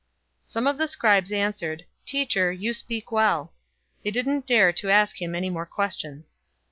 020:039 Some of the scribes answered, "Teacher, you speak well." 020:040 They didn't dare to ask him any more questions.